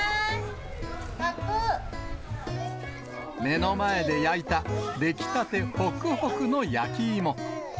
目の前で焼いた、出来たてほくほくの焼き芋。